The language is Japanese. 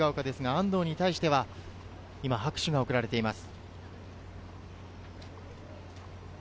安藤に対しては拍手が送られています。